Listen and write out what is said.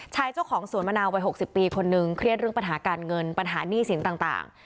เจ้าของสวนมะนาววัย๖๐ปีคนนึงเครียดเรื่องปัญหาการเงินปัญหาหนี้สินต่าง